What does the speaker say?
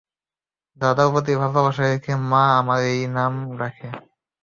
দাদার প্রতি ভালোবাসা রেখে মা আমার এই নাম রাখে।